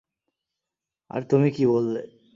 আর তুমি কী বললে?